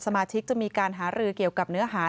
จะมีการหารือเกี่ยวกับเนื้อหา